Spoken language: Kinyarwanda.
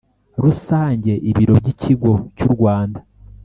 rusange ibiro by Ikigo cy u Rwanda